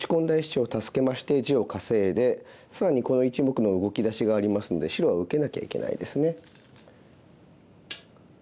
１子を助けまして地を稼いで更にこの１目の動きだしがありますので白は受けなきゃいけないですね。